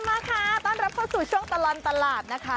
มาค่ะต้อนรับเข้าสู่ช่วงตลอดตลาดนะคะ